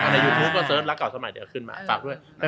ในยูทูปก็เสิร์ชลักข่าวช่องใหม่เดี๋ยวขึ้นมา